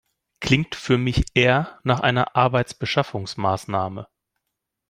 Klingt für mich eher nach einer Arbeitsbeschaffungsmaßnahme.